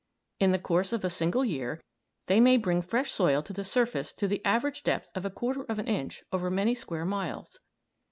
In the course of a single year they may bring fresh soil to the surface to the average depth of a quarter of an inch over many square miles.